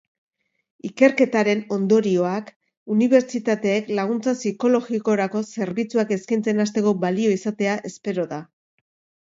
Ikerketaren ondorioak unibertsitateek laguntza psikologikorako zerbitzuak eskaintzen hasteko balio izatea espero da.